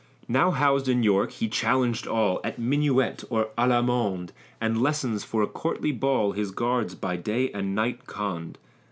Now housed in York, he challenged all, At minuet or all 'amande, And lessons for a courtly ball His guards by day and night conned.